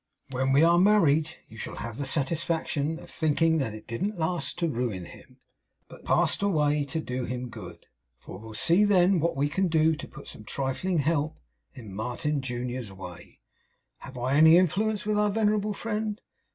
When we are married, you shall have the satisfaction of thinking that it didn't last to ruin him, but passed away to do him good; for we'll see then what we can do to put some trifling help in Martin junior's way. HAVE I any influence with our venerable friend?